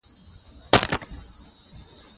د افغانستان جغرافیه کې زغال ستر اهمیت لري.